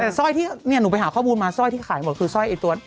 แต่สร้อยที่เนี่ยหนูไปหาข้อมูลมาสร้อยที่ขายหมดคือสร้อยไอ้ตัว